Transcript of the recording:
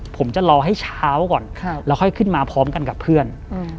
ผมจะรอให้เช้าก่อนแล้วค่อยขึ้นมาพร้อมกันกับเพื่อน